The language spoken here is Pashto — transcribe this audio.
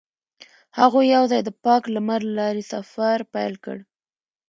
هغوی یوځای د پاک لمر له لارې سفر پیل کړ.